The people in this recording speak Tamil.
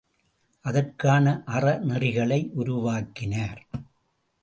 அதற்கான அறநெறிகளை உருவாக்கினார்.